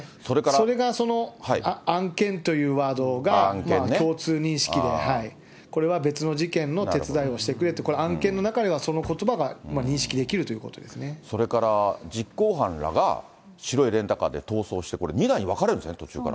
それがその案件というワードが共通認識で、これは別の事件の手伝いをしてくれと、案件の中では、そのことばそれから実行犯らが白いレンタカーで逃走して、これ、２台に分かれるんですね、途中から。